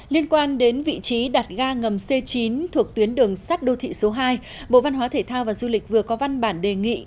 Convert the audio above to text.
liên quan đến vị trí đặt ga ngầm c chín thuộc tuyến đường sắt đô thị số hai bộ văn hóa thể thao và du lịch vừa có văn bản đề nghị